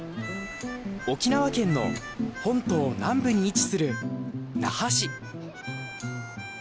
沖縄県の本島南部に位置する那覇市。